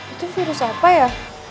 itu virus apa ya